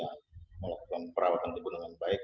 selalu melakukan perawatan keundangan baik